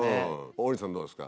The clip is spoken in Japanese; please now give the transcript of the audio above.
王林さんどうですか？